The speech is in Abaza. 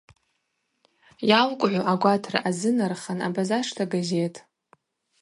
Йалкӏгӏу агватра азынархан Абазашта газет.